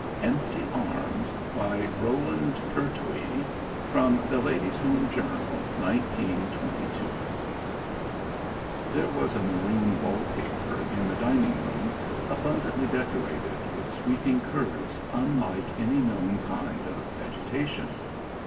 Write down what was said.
EMPTY ARMS By ROLAND PERTWEE (From The Ladies' Home Journal) 1922 There was a maroon wall paper in the dining room, abundantly decorated with sweeping curves unlike any known kind of vegetation.